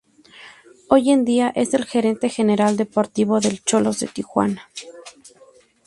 Hoy en día, es el Gerente General Deportivo del Xolos de Tijuana.